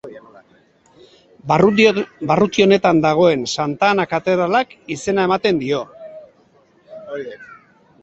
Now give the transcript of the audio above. Barruti honetan dagoen Santa Ana katedralak izena ematen dio.